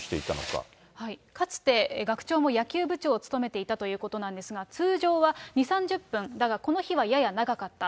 かつて学長も野球部長を務めていたということなんですが、通常は２、３０分だが、この日はやや長かった。